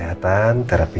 gak ada apa apa